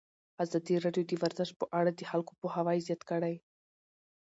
ازادي راډیو د ورزش په اړه د خلکو پوهاوی زیات کړی.